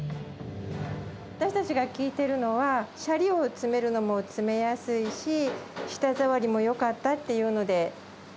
私たちが聞いてるのは、シャリを詰めるのも詰めやすいし、舌触りもよかったっていうので。